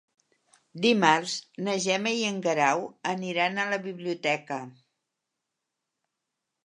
Dimarts na Gemma i en Guerau aniran a la biblioteca.